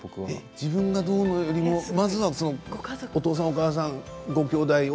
自分だと思うよりもまずは、お父さんお母さんやごきょうだいを。